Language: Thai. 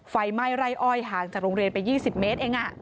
ไฟไหม้ไร้อ้ายห่างจากโรงเรียนไปยี่สิบเมตรเองอะ